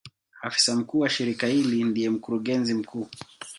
Afisa mkuu wa shirika hili ndiye Mkurugenzi mkuu.